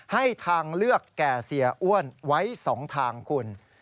ให้ทางเลือกแก่เสียอ้วนไว้๒ทางคุณ